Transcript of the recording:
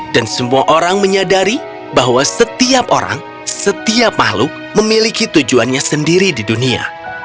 dan semua orang menyadari bahwa setiap orang setiap makhluk memiliki tujuannya sendiri di dunia